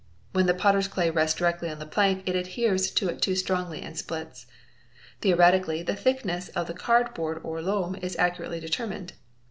When the potter's clay rests directly on the plank it adheres to it too strongly and splits. Theoretically the thickness of the card board or loam is accurately determined.